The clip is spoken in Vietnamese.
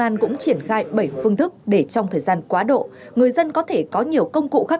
an cũng triển khai bảy phương thức để trong thời gian quá độ người dân có thể có nhiều công cụ khác